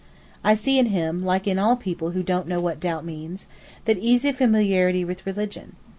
I see in him, like in all people who don't know what doubt means, that easy familiarity with religion.